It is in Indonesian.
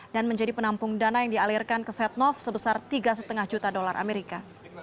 dan menjadi penampung dana yang dialirkan ke setnoff sebesar tiga lima juta dolar amerika